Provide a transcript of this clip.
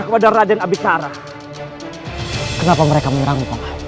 kepada raden abikara kenapa mereka menyerang